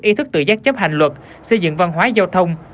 ý thức tự giác chấp hành luật xây dựng văn hóa giao thông